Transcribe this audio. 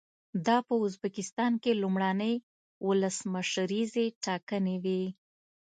دا په ازبکستان کې لومړنۍ ولسمشریزې ټاکنې وې.